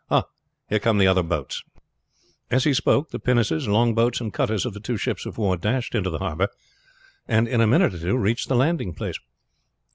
Ah! here come the other boats." As he spoke the pinnaces, long boats, and cutters of the two ships of war dashed into the harbor, and in a minute or two reached the landing place.